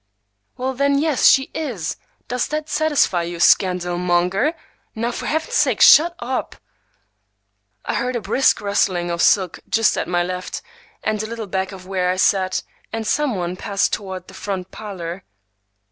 "Well, then, yes, she is! Does that satisfy you, scandal monger? Now, for Heaven's sake, shut up!" I heard a brisk rustling of silk just at my left and a little back of where I sat, and some one passed toward the front parlor.